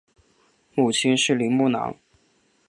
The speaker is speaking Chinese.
母亲是林慕兰。